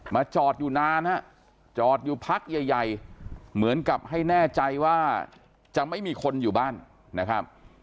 จอดอยู่นานฮะจอดอยู่พักใหญ่เหมือนกับให้แน่ใจว่าจะไม่มีคนอยู่บ้านนะครับ